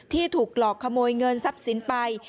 ที่ถูกหลอกขโมยเงินทรัพย์สินไป